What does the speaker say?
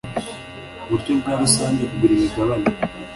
buryo bwa rusange kugura imigabane